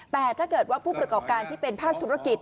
แต่ถ้าเกิดว่าผู้ประกอบการที่เป็นภาคธุรกิจ